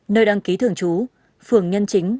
nơi đăng ký thường chú phường nhân chính